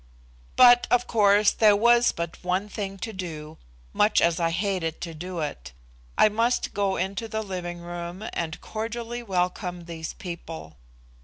But, of course, there was but one thing to do, much as I hated to do it. I must go into the living room and cordially welcome these people.